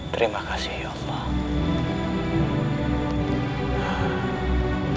terima kasih ya allah